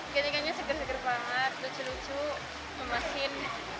ikannya seger seger banget lucu lucu memasin